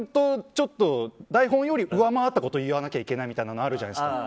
台本より上回ったこと言わなきゃいけないところあるじゃないですか。